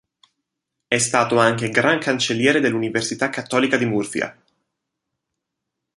È stato anche gran cancelliere dell'Università Cattolica di Murcia.